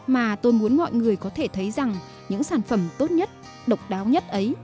mà tôi muốn mọi người có thể thấy rằng những sản phẩm tốt nhất độc đáo nhất ấy